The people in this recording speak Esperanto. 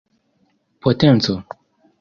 potenco